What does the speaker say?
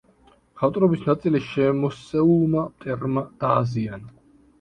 მხატვრობის ნაწილი შემოსეულმა მტერმა დააზიანა.